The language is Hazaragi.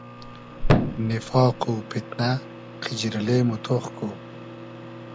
نیفاق و پیتنۂ , قیجیرلې مۉ تۉخ کو